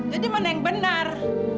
jadi mana yang benar